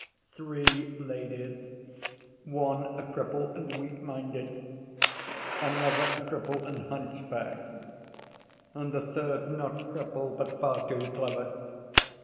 Three ladies, one a cripple and weak‐minded, another a cripple and hunchback and the third not crippled but far too clever.